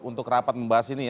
untuk rapat membahas ini